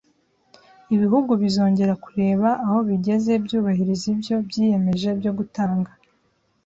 ibihugu bizongera kureba aho bigeze byubahiriza ibyo byiyemeje byo gutanga